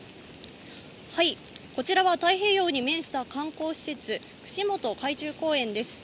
こちらは太平洋に面した観光施設、串本海中公園です。